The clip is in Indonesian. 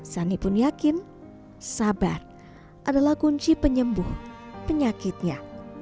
sani pun yakin sabar adalah kunci penyembuh penyakitnya